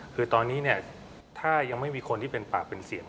คือตอนนี้เนี่ยถ้ายังไม่มีคนที่เป็นปากเป็นเสียง